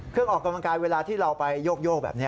ออกกำลังกายเวลาที่เราไปโยกแบบนี้